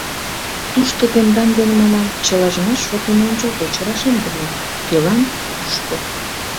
Тушто тендан дене, манам, чылажымат шот дене ончылгоч рашемдыме, кӧлан — кушко.